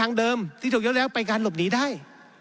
ทางเดิมที่ถูกเลี่ยวไปการหลบหนีได้